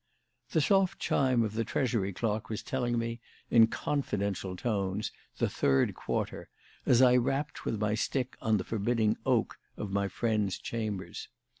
The soft chime of the Treasury clock was telling out, in confidential tones, the third quarter as I wrapped with my stick on the forbidding "oak" of my friends' chambers.